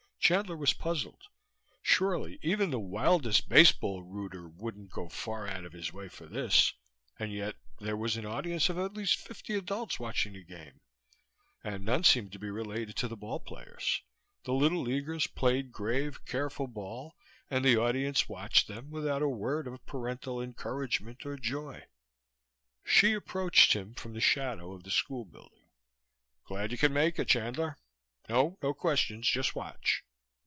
Chandler was puzzled. Surely even the wildest baseball rooter wouldn't go far out of his way for this, and yet there was an audience of at least fifty adults watching the game. And none seemed to be related to the ballplayers. The Little Leaguers played grave, careful ball, and the audience watched them without a word of parental encouragement or joy. Hsi approached him from the shadow of the school building. "Glad you could make it, Chandler. No, no questions. Just watch."